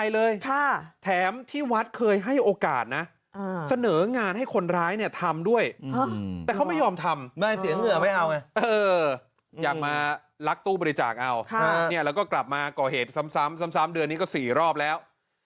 แล้วก็กลับมาเกาะเหตุซ้ำเดือนนี้ก็๔รอบแล้ว